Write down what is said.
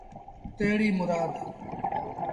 تيڙيٚ مُرآد